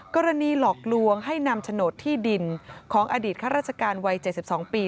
หลอกลวงให้นำโฉนดที่ดินของอดีตข้าราชการวัย๗๒ปี